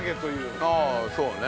ああそうね。